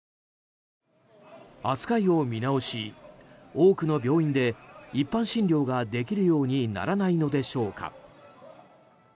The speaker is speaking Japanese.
扱いを見直し、多くの病院で一般診療ができるようにならないのでしょうか。